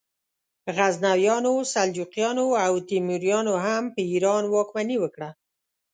غزنویانو، سلجوقیانو او تیموریانو هم په ایران واکمني وکړه.